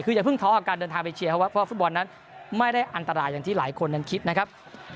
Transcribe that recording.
คืออย่าเพิ่งท้อกับการเดินทางไปเชียร์เพราะว่าฟุตบอลนั้นไม่ได้อันตรายอย่างที่หลายคนนั้นคิดนะครับ